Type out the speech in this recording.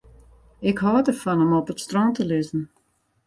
Ik hâld derfan om op it strân te lizzen.